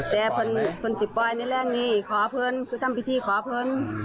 แล้วผลหลังนี้แล้วก็ขอเพลินทำพิธีขอเพลิน